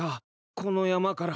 この山から。